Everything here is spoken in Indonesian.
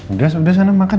udah udah sana makan